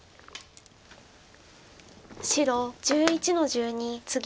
白１１の十二ツギ。